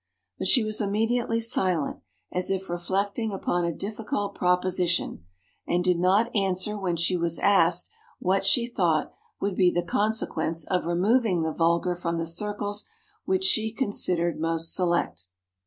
But she was immediately silent, as if reflecting upon a difficult proposition, and did not answer when she was asked what she thought would be the consequence of removing the vulgar from the circles which she considered most select.